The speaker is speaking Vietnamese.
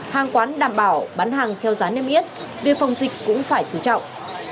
hàng quán đảm bảo bán hàng theo giá niêm yết việc phòng dịch cũng phải chú trọng